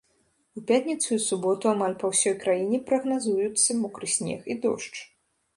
У пятніцу і суботу амаль па ўсёй краіне прагназуюцца мокры снег і дождж.